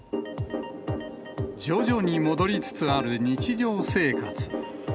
徐々に戻りつつある日常生活。